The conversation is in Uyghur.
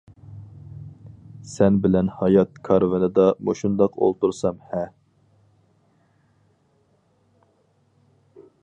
سەن بىلەن ھايات كارۋىنىدا مۇشۇنداق ئولتۇرسام ھە؟ !